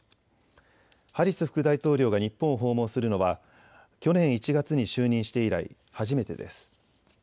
ハリス副大統領が日本を訪問するのは去年１月に就任して以来、初めてです。